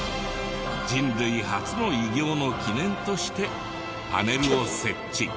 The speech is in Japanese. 人類初の偉業の記念としてパネルを設置。